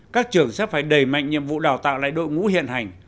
các trường sẽ phải đẩy mạnh nhiệm vụ đào tạo lại đội ngũ hiện hành